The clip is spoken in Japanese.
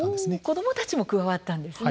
子どもたちも加わったんですね。